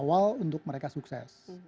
awal untuk mereka sukses